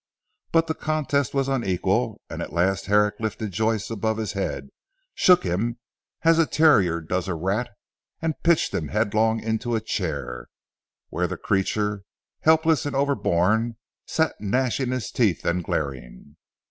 But the contest was unequal, and at last Herrick lifted Joyce above his head, shook him' as a terrier does a rat, and pitched him headlong into a chair, where the creature, helpless, and overborne, sat gnashing his teeth and glaring.